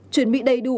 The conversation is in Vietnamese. chuyển bị đầy đủ